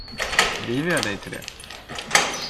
Driver jag dig till det?